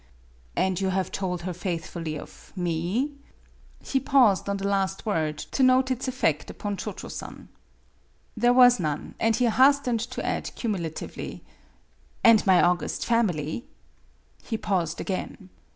"And you have told her faithfully of me ?" He paused on the last word to note its effect upon Cho Cho San. There was none, and he hastened to add cumulatively, " And my august family ?" He paused again.